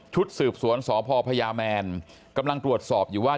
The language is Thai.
สืบสวนสพพญาแมนกำลังตรวจสอบอยู่ว่า